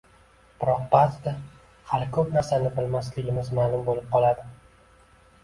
Biroq ba’zida hali ko‘p narsani bilmasligimiz ma’lum bo‘lib qoladi